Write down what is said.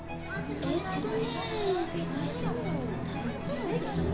えっとね。